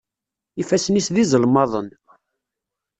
Ifassen-is d iẓelmaḍen.